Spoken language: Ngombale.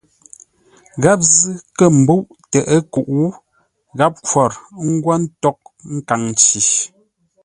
Gháp zʉ́ kə̂ ḿbə́uʼ tə ə́ kuʼ, gháp khwor ńgwó ńtághʼ nkaŋ nci.